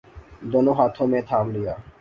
دونوں ہاتھوں میں تھام لیا۔